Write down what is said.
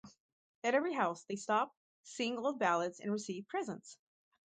At every house they stop, sing old ballads, and receive presents.